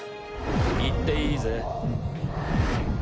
行っていいぜ。